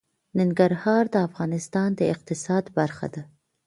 ننګرهار د افغانستان د اقتصاد برخه ده.